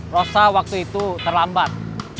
rosa waktu itu terlambat